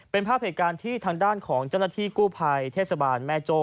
เป็นภาพเหตุการณ์ที่ทางด้านของเจ้าหน้าที่กู้ภัยเทศบาลแม่โจ้